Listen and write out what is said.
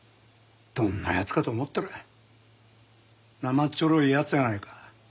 どんな奴かと思ったら生っちょろい奴やないか。